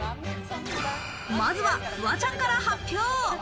まずはフワちゃんから発表。